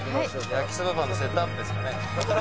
「焼きそばパンのセットアップですかね？」